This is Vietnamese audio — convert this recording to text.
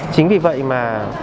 chính vì vậy mà